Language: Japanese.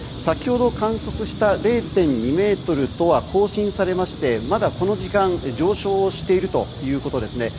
先ほど観測した０．２ｍとは更新されましてまだこの時間上昇しているということです。